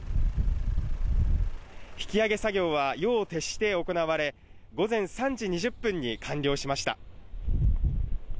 引き揚げ作業が夜を徹して行われ、午前３時２０分に完了しました。